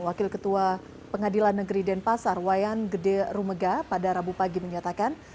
wakil ketua pengadilan negeri denpasar wayan gede rumega pada rabu pagi menyatakan